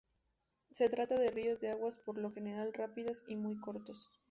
Se trata de ríos de aguas por lo general rápidas, y muy cortos.